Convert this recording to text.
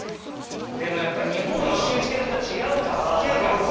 でもやっぱり日本一周してる人は違うか嗅覚が。